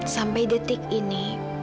sampai detik ini